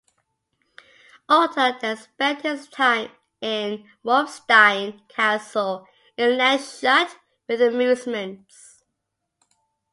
Otto then spent his time in Wolfstein castle in Landshut with amusements.